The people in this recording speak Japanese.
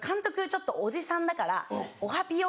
ちょっとおじさんだから「おはぴよ」